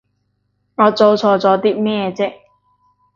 我做錯咗啲咩啫？